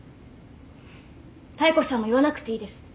妙子さんも言わなくていいです。